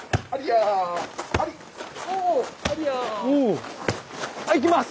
あっいきます！